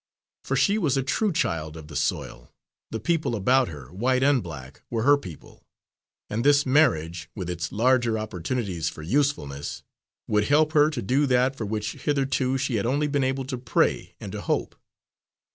For she was a true child of the soil; the people about her, white and black, were her people, and this marriage, with its larger opportunities for usefulness, would help her to do that for which hitherto she had only been able to pray and to hope.